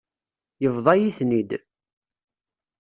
Yebḍa-yi-ten-id.